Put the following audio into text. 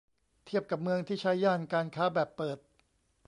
เทียบกับเมืองที่ใช้ย่านการค้าแบบเปิด